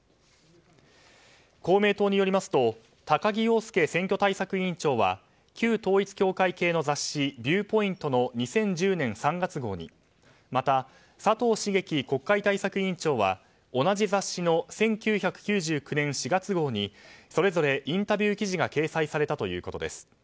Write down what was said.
公明党によりますと高木陽介選挙対策委員長は旧統一教会系の雑誌「ビューポイント」の２０１０年３月号にまた、佐藤茂樹国会対策委員長は同じ雑誌の１９９９年４月号にそれぞれインタビュー記事が掲載されたということです。